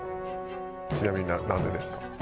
ちなみになぜですか？